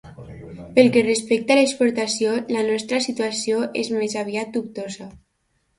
Pel que respecta a l'exportació, la nostra situació és més aviat dubtosa.